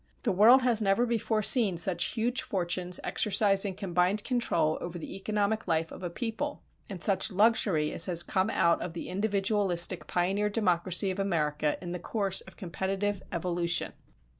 The world has never before seen such huge fortunes exercising combined control over the economic life of a people, and such luxury as has come out of the individualistic pioneer democracy of America in the course of competitive evolution.